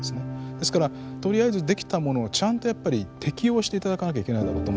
ですからとりあえずできたものをちゃんとやっぱり適用して頂かなきゃいけないだろうと思ってます。